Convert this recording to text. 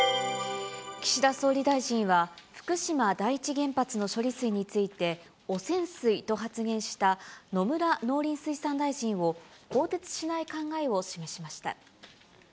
岸田総理大臣は、福島第一原発の処理水について、汚染水と発言した野村農林水産大臣を更迭しない考えを示しました。